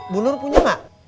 bunur punya gak